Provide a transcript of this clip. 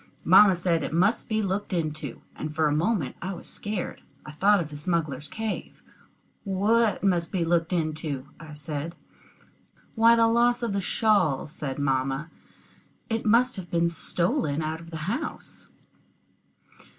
Mamma said it must be looked into, and for a moment I was scared. I thought of the smugglers' cave. "What must be looked into?" I said. "Why, the loss of the shawl," said mamma. "It must have been stolen out of the house."